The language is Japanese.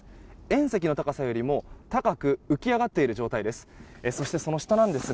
縁石の高さよりも高く浮き上がっている状態です。